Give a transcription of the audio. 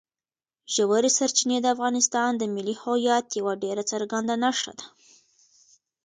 ژورې سرچینې د افغانستان د ملي هویت یوه ډېره څرګنده نښه ده.